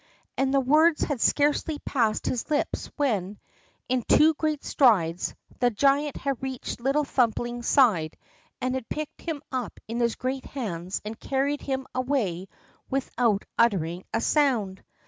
And the words had scarcely passed his lips when, in two great strides, the giant had reached little Thumbling's side and had picked him up in his great hands and carried him away without uttering a sound.